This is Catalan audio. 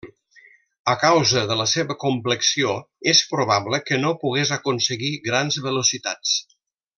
A causa de la seva complexió és probable que no pogués aconseguir grans velocitats.